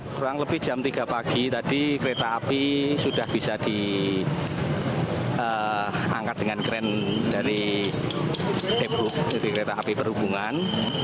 kurang lebih jam tiga pagi tadi kereta api sudah bisa diangkat dengan kren dari kereta api perhubungan